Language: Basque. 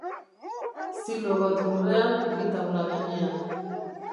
Zilo bat lurrean, bi taula gainean.